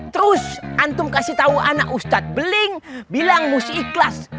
terus antum kasih tahu anak ustadz beling bilang mesti ikhlas